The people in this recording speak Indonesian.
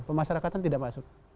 pemasarakatan tidak masuk